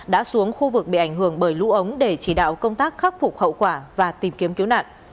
đã xuống khu vực bị ảnh hưởng bởi lũ ống để chỉ đạo công tác khắc phục hậu quả và tìm kiếm cứu nạn